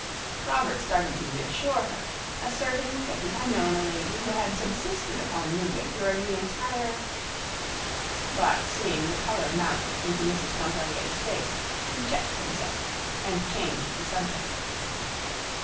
Robert started to reassure her, asserting that he had known a lady who had subsisted upon nougat during the entire—but seeing the color mount into Mrs. Pontellier's face he checked himself and changed the subject.